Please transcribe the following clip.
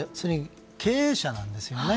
経営者なんですよね。